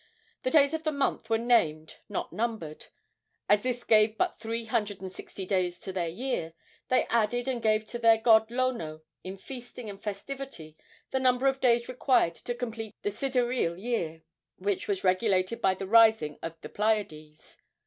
The days of the month were named, not numbered. As this gave but three hundred and sixty days to their year, they added and gave to their god Lono in feasting and festivity the number of days required to complete the sidereal year, which was regulated by the rising of the Pleiades.